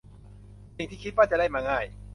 สิ่งที่คิดว่าจะได้มาง่าย